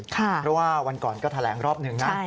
เพราะว่าวันก่อนก็แถลงรอบหนึ่งนะ